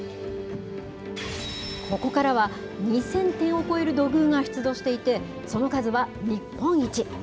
ここからは２０００点を超える土偶が出土していて、その数は日本一。